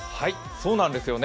そうなんですよね。